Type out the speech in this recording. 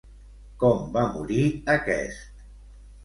Com va morir aquest?